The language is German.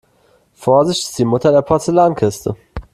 Vorsicht ist die Mutter der Porzellankiste.